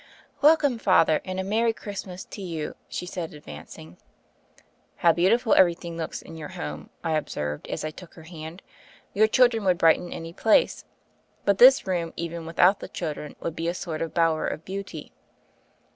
"Welcome, Father, and a Merry Christmas to you," she said, advancing. How beautiful everything looks in your home," I observed as I took her hand. "Your children would brighten any place ; but this room even without the children would be a sort of bower of beauty."